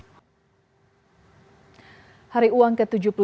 masa dengan barang jelas masa dengan barang jelas